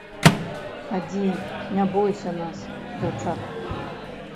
Хадзі, не бойся нас, дзяўчат!